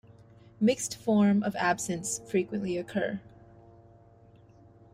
Mixed forms of absence frequently occur.